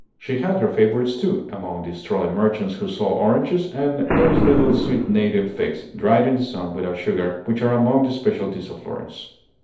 She had her favorites, too, among the strolling merchants who sold oranges and those little sweet native figs, dried in the sun without sugar, which are among the specialties of Florence.